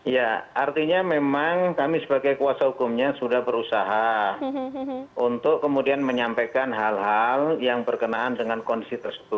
ya artinya memang kami sebagai kuasa hukumnya sudah berusaha untuk kemudian menyampaikan hal hal yang berkenaan dengan kondisi tersebut